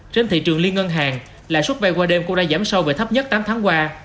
trên thị trường liên ngân hàng lãi suất vay qua đêm cũng đã giảm sâu về thấp nhất tám tháng qua